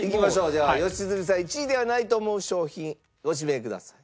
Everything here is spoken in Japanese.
では良純さん１位ではないと思う商品ご指名ください。